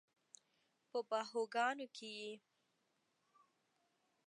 په باهوګانو کې یې